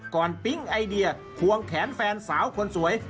ปิ๊งไอเดียควงแขนแฟนสาวคนสวย